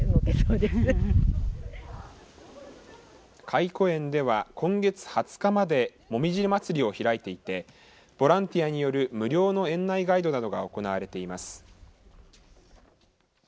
懐古園では今月２０日まで紅葉まつりを開いていてボランティアによる無料の園内ガイドなどが行われています。